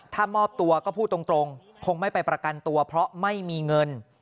ถ้ามอบตัวก็พูดตรงคงไม่ไปประกันตัวเพราะไม่มีเงิน